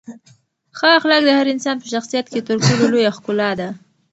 ښه اخلاق د هر انسان په شخصیت کې تر ټولو لویه ښکلا ده.